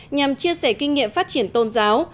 nhằm chia sẻ kinh nghiệm phát triển tôn giáo